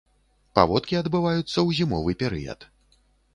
Паводкі адбываюцца ў зімовы перыяд.